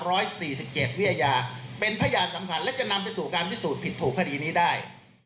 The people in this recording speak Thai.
เป็นพยานสำคัญและจะนำไปสู่การพิสูจน์ผิดถูกคดีนี้ได้